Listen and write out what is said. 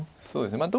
そうですね